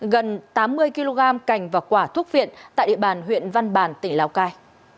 gần tám mươi kg cành và quả thuốc viện tại địa bàn huyện văn bàn tỉnh lào cai